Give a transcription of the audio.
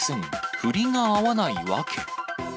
振りが合わないわけ。